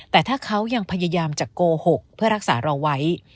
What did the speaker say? แต่ถ้าเขายังพยายามจะโกหกเพื่อรักษาเราไว้